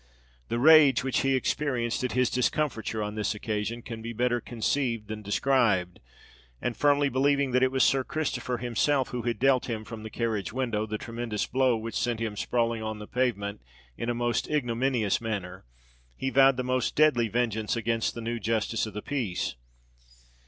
The rage which he experienced at his discomfiture on this occasion, can be better conceived than described; and, firmly believing that it was Sir Christopher himself who had dealt him from the carriage window the tremendous blow which sent him sprawling on the pavement in a most ignominious manner, he vowed the most deadly vengeance against the new Justice of the Peace.